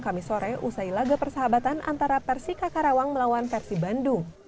kami sore usai laga persahabatan antara versi kakarawang melawan versi bandung